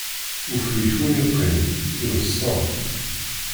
Ufrik ur iqqin, iḍsa.